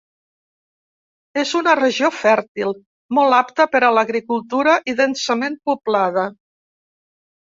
És una regió fèrtil, molt apta per a l'agricultura i densament poblada.